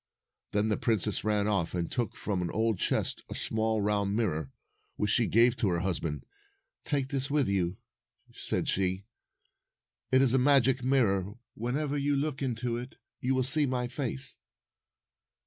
Then the princess ran off and took from an old chest a small round mirror, which she gave to her husband. "Take this with you," said she. "It is a magic mirror. Whenever you look into it, you will see my face."